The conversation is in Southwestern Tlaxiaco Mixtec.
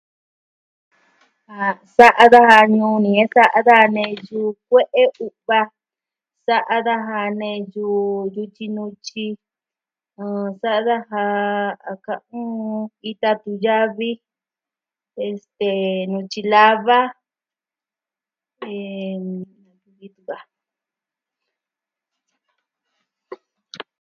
A sa'a daja ñuu ni e sa'a daja neyu kue'e u'va. Sa'a daja neyu yutyi nutyi, sa'a daja... a kɨɨn ita tuya'vi. Este... nutyi lava.